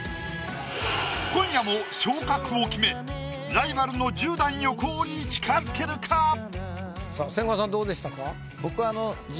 今夜も昇格を決めライバルの１０段横尾に近づけるか⁉さあ千賀さんどうでしたか？